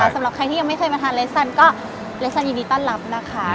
สำหรับใครที่ยังไม่เคยมาทานเลสสันก็เลสซันยินดีต้อนรับนะคะ